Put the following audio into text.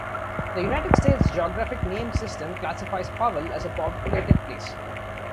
The United States Geographic Names System classifies Powell as a populated place.